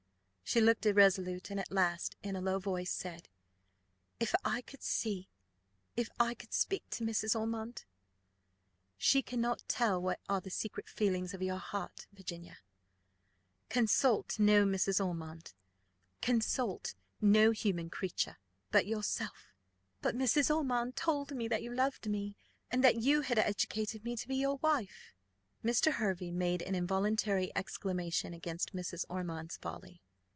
She looked irresolute: and at last, in a low voice, said, "If I could see, if I could speak to Mrs. Ormond " "She cannot tell what are the secret feelings of your heart, Virginia. Consult no Mrs. Ormond. Consult no human creature but yourself." "But Mrs. Ormond told me that you loved me, and that you had educated me to be your wife." Mr. Hervey made an involuntary exclamation against Mrs. Ormond's folly.